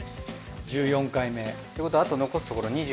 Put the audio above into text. １４回目。ってことはあと残すところ２０。